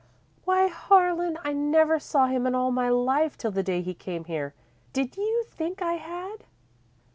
"Why, Harlan! I never saw him in all my life till the day he came here. Did you think I had?"